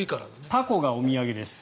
凧がお土産です。